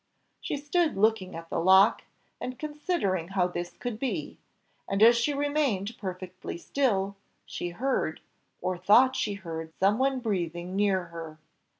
She stood looking at the lock, and considering how this could be, and as she remained perfectly still, she heard, or thought she heard some one breathing near her.